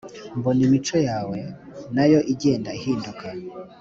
Mbona imico yawe na yo igenda ihinduka